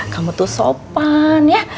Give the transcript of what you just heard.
kamu tuh sopan ya